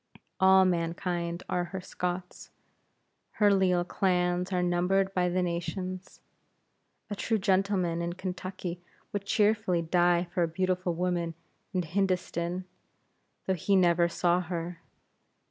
All mankind are her Scots; her leal clans are numbered by the nations. A true gentleman in Kentucky would cheerfully die for a beautiful woman in Hindostan, though he never saw her.